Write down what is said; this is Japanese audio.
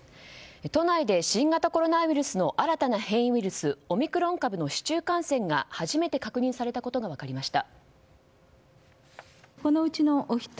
都内で新型コロナウイルスの新たな変異ウイルスオミクロン株の市中感染が初めて確認されたことが分かりました。